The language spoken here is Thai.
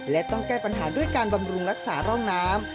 และต้องแก้ปัญหาด้วยการบำรุงรักษาร่องน้ำ